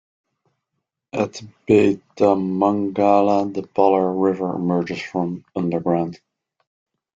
At Bethamangala the Palar river emerges from underground.